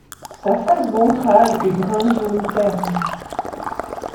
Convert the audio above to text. Sa face ventrale est brun jaune terne.